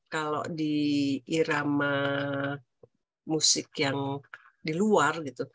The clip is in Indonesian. kalau di irama musik yang di luar gitu